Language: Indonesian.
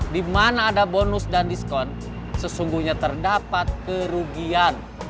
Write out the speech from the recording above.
di mana ada bonus dan diskon sesungguhnya terdapat kerugian